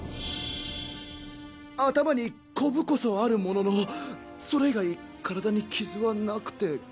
頭にコブこそあるもののそれ以外体に傷はなくて。